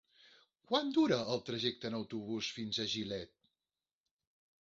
Quant dura el trajecte en autobús fins a Gilet?